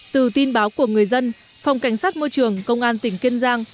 từ tin báo của người dân phòng cảnh sát môi trường công an tỉnh kiên giang